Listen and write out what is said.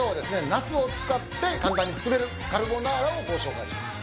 ナスを使って簡単に作れるカルボナーラをご紹介します。